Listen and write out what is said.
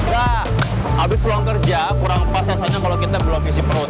nah habis pulang kerja kurang pas rasanya kalau kita belum isi perut